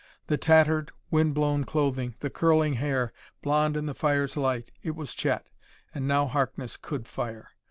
The tattered, wind blown clothing the curling hair, blond in the fire's light it was Chet.... And now Harkness could fire.